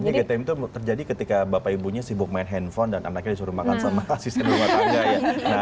jadi ketika itu terjadi ketika bapak ibunya sibuk main handphone dan anaknya disuruh makan sama asisten rumah tangga ya